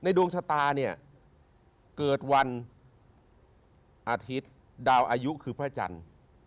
ดวงชะตาเนี่ยเกิดวันอาทิตย์ดาวอายุคือพระจันทร์